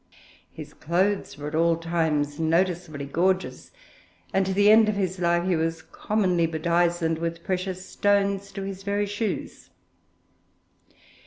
His clothes were at all times noticeably gorgeous; and to the end of his life he was commonly bedizened with precious stones to his very shoes.